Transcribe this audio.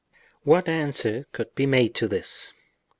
What answer could be made to this?